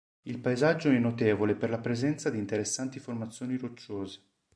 Il paesaggio è notevole per la presenza di interessanti formazioni rocciose.